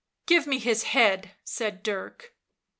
" Give me his head," said Dirk.